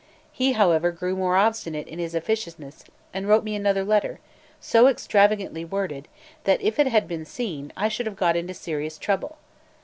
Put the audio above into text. He however grew more obstinate in his officiousness, and wrote me another letter, so extravagantly worded, that if it had been seen, I should have got into serious trouble.